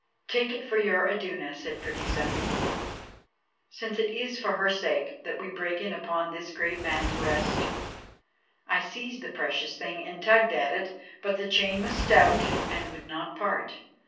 "Take it for your Iduna," said Freydisa, "since it is for her sake that we break in upon this great man's rest." I seized the precious thing and tugged at it, but the chain was stout and would not part.